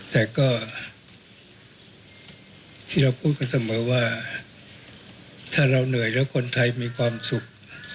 แต่ก็ที่เราพูดกันเสมอว่าถ้าเราเหนื่อยแล้วคนไทยมีความสุข